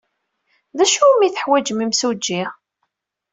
D acu umi teḥwajem imsujji?